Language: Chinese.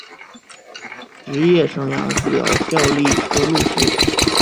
职业生涯主要效力车路士。